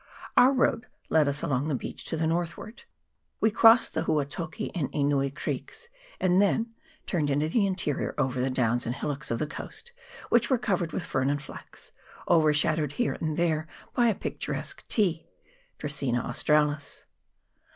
Our road led us along the beach to the north ward. We crossed the Huatoki and Enui creeks, and then turned into the interior over the downs and hillocks of the coast, which were covered with fern and flax, overshadowed here and there by a picturesque ti (Dracaena australis).